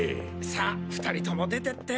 さあ２人とも出てって。